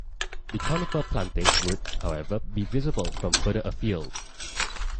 The conifer planting would, however, be visible from further afield.